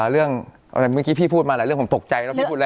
เรื่องอะไรเมื่อกี้พี่พูดมาหลายเรื่องผมตกใจแล้วพี่พูดอะไร